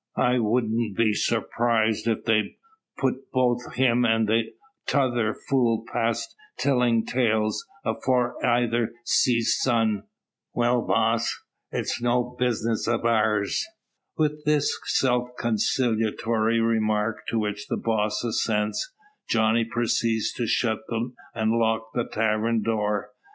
I wudn't be surrprized if they putt both him an' 'tother fool past tillin' tales afore ayther sees sun. Will, boss, it's no bizness av ours." With this self consolatory remark, to which the "boss" assents, Johnny proceeds to shut and lock the tavern door.